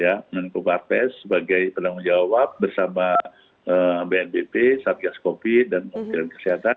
ya ini sudah diberikan oleh kps sebagai penanggung jawab bersama bnpb satgas covid dan kementerian kesehatan